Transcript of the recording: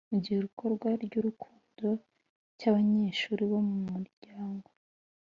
igikorwa ry’urukundo cy’abanyeshuli bo mu muryango